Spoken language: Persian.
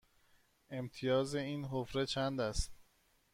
امتیاز این حفره چند است؟